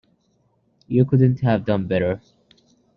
You couldn't have done better.